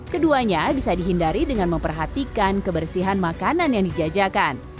keduanya bisa dihindari dengan memperhatikan kebersihan makanan yang dijajakan